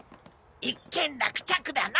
一件落着だな。